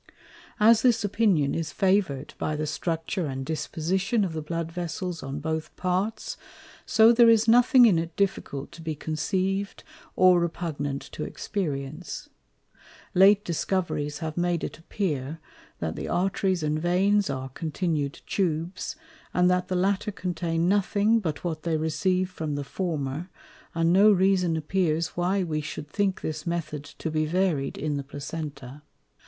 As this Opinion is Favour'd by the Structure and Disposition of the Blood Vessels on both Parts, so there is nothing in it difficult to be conceiv'd, or repugnant to Experience. Late Discoveries have made it appear, that the Arteries and Veins are continu'd Tubes, and that the latter contain nothing but what they receive from the former, and no Reason appears why we shou'd think this Method to be varied in the Placenta.